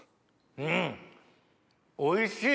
うんおいしい！